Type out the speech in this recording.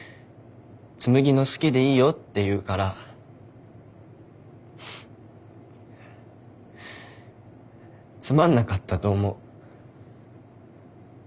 紬の好きでいいよって言うからつまんなかったと思う。